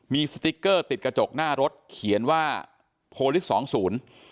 มีสติ๊กเกอร์ติดกระจกหน้ารถเขียนว่าโพลิสสองศูนย์